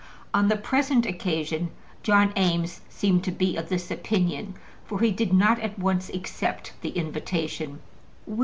On the present occasion John Eames seemed to be of this opinion, for he did not at once accept the invitation.